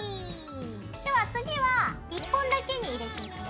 では次は１本だけに入れていくよ。